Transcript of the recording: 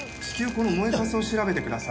この燃えかすを調べてください。